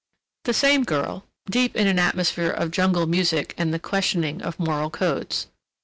The same girl... deep in an atmosphere of jungle music and the questioning of moral codes.